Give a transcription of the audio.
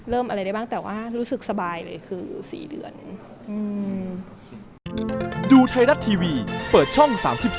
อะไรได้บ้างแต่ว่ารู้สึกสบายเลยคือ๔เดือน